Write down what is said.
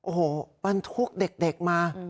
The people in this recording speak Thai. โอ้โหบรรทุกเด็กมา